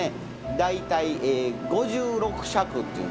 大体５６尺っていうんですね。